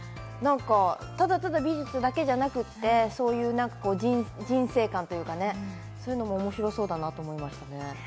ただただ美術だけじゃなくて、人生感というかね、そういうのも面白そうだなと思いました。